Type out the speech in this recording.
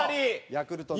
ヤクルトね。